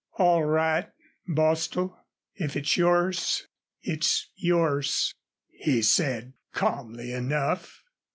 "All right, Bostil. If it's yours it's yours," he said, calmly enough.